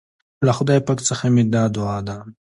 له خدای پاک څخه مي دا دعا ده